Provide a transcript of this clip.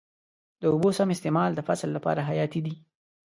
د اوبو سم استعمال د فصل لپاره حیاتي دی.